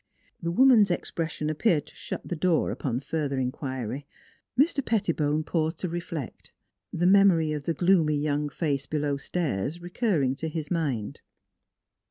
The woman's expression appeared to shut the door upon further inquiry. Mr. Pettibone paused to reflect, the memory of the gloomy young face below stairs recurring to his mind.